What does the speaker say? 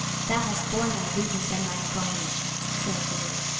26:016:058 Thou hast borne thy lewdness and thine abominations, saith the LORD.